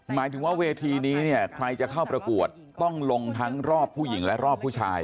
หมายถึงว่าเวทีนี้เนี่ยใครจะเข้าประกวดต้องลงทั้งรอบผู้หญิงและรอบผู้ชาย